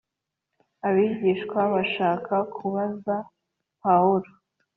Abigishwa bashaka kubuza pawulo